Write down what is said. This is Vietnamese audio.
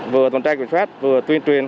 vừa tuần tra kiểm soát vừa tuyên truyền